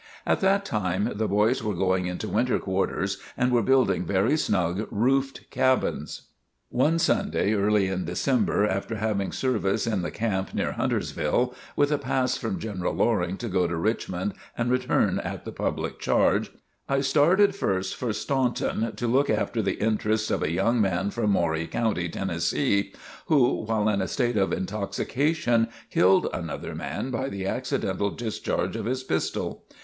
At that time the boys were going into winter quarters and were building very snug, roofed cabins. One Sunday early in December, after having service in the camp near Huntersville, with a pass from General Loring to go to Richmond and return at the public charge, I started first for Staunton to look after the interests of a young man from Maury County, Tennessee, who while in a state of intoxication, killed another man by the accidental discharge of his pistol.